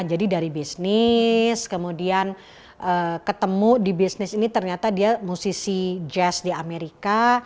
jadi dari bisnis kemudian ketemu di bisnis ini ternyata dia musisi jazz di amerika